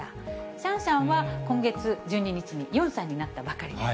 シャンシャンは今月１２日に４歳になったばかりです。